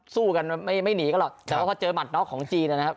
สู้กันไม่หนีก็หรอกแต่ว่าพอเจอหมัดน็อกของจีนนะครับ